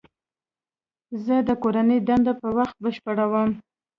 زه د کور دنده په وخت بشپړوم.